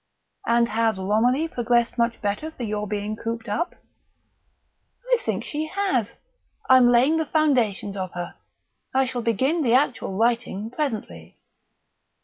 "And has Romilly progressed much better for your being cooped up?" "I think she has. I'm laying the foundations of her. I shall begin the actual writing presently."